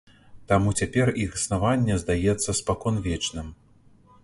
Таму цяпер іх існаванне здаецца спаконвечным.